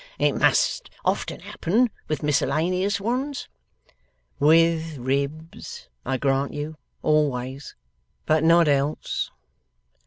It must often happen with miscellaneous ones.' 'With ribs (I grant you) always. But not else.